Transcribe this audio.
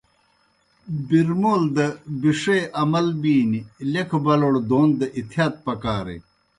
برمول دہ بِݜِے امل بِینیْ، لیکھہ بالوڑ دون دہ احتیاط پکارِن۔